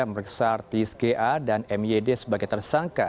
memeriksa artis ga dan myd sebagai tersangka